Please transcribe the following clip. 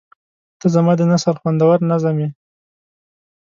• ته زما د نثر خوندور نظم یې.